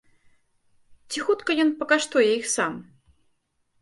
Ці хутка ён пакаштуе іх сам?